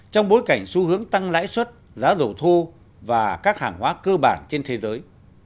trong bối cảnh xu hướng tăng lãi suất giá dầu thô và các hàng hóa cơ bản trên thế giới